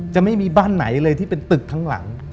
ไม่มีบ้านไหนเลยที่เป็นตึกทั้งหลัง